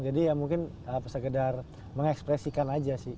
jadi ya mungkin segedar mengekspresikan aja sih